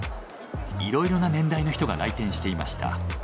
いろいろな年代の人が来店していました。